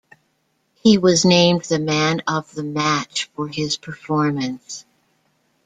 He was named the Man of the Match for his performance.